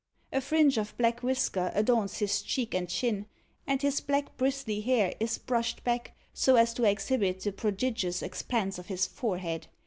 A fringe of black whisker adorns his cheek and chin, and his black bristly hair is brushed back, so as to exhibit the prodigious expanse of his forehead.